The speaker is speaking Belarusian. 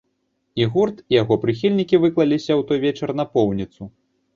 І гурт, і яго прыхільнікі выклаліся ў той вечар напоўніцу!